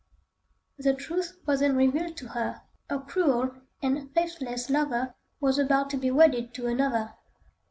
The truth was then revealed to her: her cruel and faithless lover was about to be wedded to another.